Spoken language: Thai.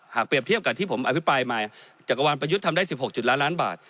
เปรียบเทียบกับที่ผมอภิปรายมาจักรวาลประยุทธ์ทำได้๑๖จุดล้านล้านบาท